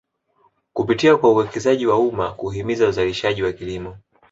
Kupitia kwa uwekezaji wa umma kuhimiza uzalishaji wa kilimo